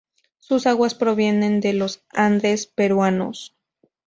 Sus aguas provienen de los Andes Peruanos.